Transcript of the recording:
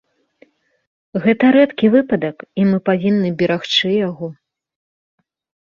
Гэта рэдкі выпадак і мы павінны берагчы яго.